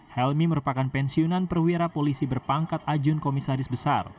helmi merupakan pensiunan perwira polisi berpangkat ajun komisaris besar